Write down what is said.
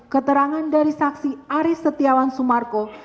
keterangan dari saksi aris setiawan sumarko